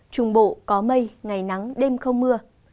trung bộ có mây ngày nắng đêm không mưa